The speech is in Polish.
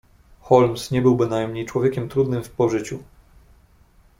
"Holmes nie był bynajmniej człowiekiem trudnym w pożyciu."